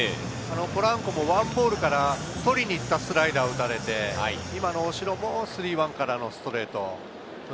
ポランコも１ボールから取りにいったスライダーを打たれて、大城も３−１からのストレート。